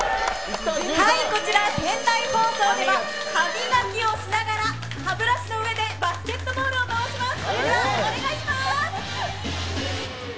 こちら仙台放送では歯磨きをしながら歯ブラシの上でバスケットボールを回します。